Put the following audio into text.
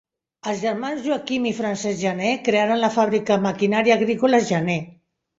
Els germans Joaquim i Francesc Janer crearen la fàbrica Maquinària Agrícola Janer.